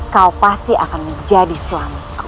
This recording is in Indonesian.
kau pasti akan menjadi suami